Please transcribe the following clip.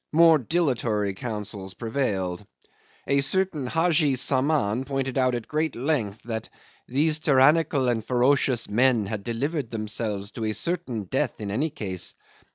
More dilatory counsels prevailed. A certain Haji Saman pointed out at great length that "these tyrannical and ferocious men had delivered themselves to a certain death in any case.